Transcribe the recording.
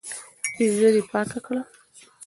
پېزه دي پاکه کړه.